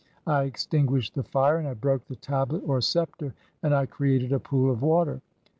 199 "I extinguished the fire, and I broke the tablet (or sceptre), and "I created (27) a pool of water.